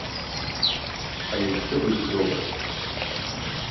Але ўсе будзе добра!